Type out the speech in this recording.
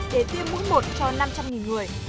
để tiêm mũi một cho năm trăm linh người